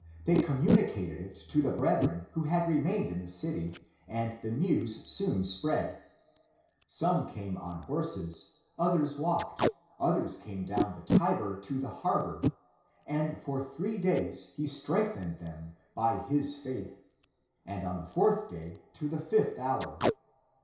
They communicated it to the brethren who had remained in the city, and the news soon spread. Some came on horses, others walked, others came down the Tiber to the harbor, and for three days he strengthened them by (his) faith, and on the fourth day to the fifth hour.